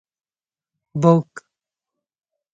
book